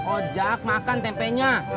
ojak makan tempenya